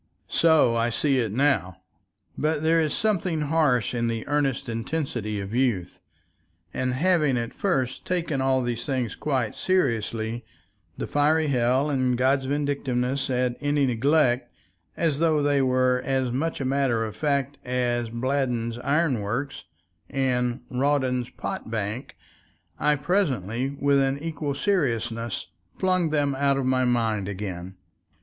So I see it now, but there is something harsh in the earnest intensity of youth, and having at first taken all these things quite seriously, the fiery hell and God's vindictiveness at any neglect, as though they were as much a matter of fact as Bladden's iron works and Rawdon's pot bank, I presently with an equal seriousness flung them out of my mind again.